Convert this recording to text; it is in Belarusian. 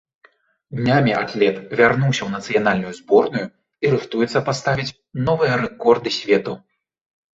Днямі атлет вярнуўся ў нацыянальную зборную і рыхтуецца паставіць новыя рэкорды свету.